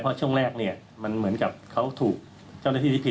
เพราะช่วงแรกมันเหมือนกับเขาถูกเจ้าหน้าที่ที่ผิด